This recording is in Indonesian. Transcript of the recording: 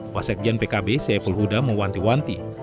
wasikian pkb seyful huda mewanti wanti